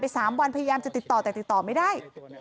๓วันพยายามจะติดต่อแต่ติดต่อไม่ได้